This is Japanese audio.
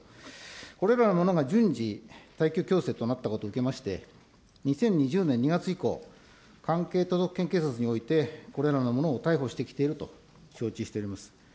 これらのものが順次、退去要請となったことを受けまして、２０２０年２月以降、関係都道府県警察においてこれらのものを逮捕してきていると承知をしております。